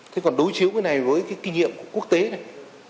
thế còn đối chiếu cái này với cái kinh nghiệm của quốc tế này